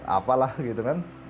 apalah gitu kan